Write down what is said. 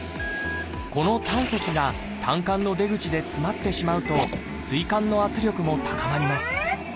この胆石が胆菅の出口で詰まってしまうとすい管の圧力も高まります。